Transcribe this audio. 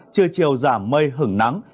trưa chiều giảm mây hứng nắng